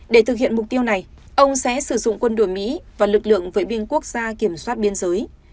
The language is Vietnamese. để thực hiện mục tiêu này ông sẽ sử dụng quân đội mỹ và lực lượng vệ binh quốc gia kiểm soát biên giới